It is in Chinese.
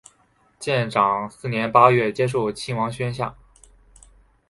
建长四年八月接受亲王宣下。